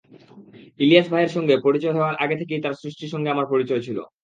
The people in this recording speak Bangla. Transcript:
ইলিয়াস ভাইয়ের সঙ্গে পরিচয় হওয়ার আগে থেকেই তাঁর সৃষ্টির সঙ্গে আমার পরিচয় ছিল।